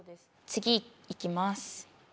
次いきます。